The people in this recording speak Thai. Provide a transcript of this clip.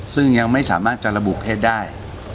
ซึ่งยังไม่สามารถจะระบุเท็จได้